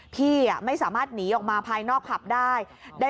พี่ไม่สามารถหนีออกมาภายนอกผับได้